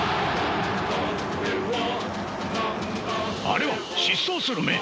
あれは疾走する眼！